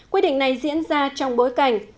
quyết định này diễn ra trong bối cảnh